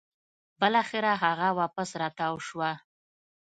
بلاخره هغه واپس راتاو شوه